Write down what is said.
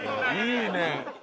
いいね。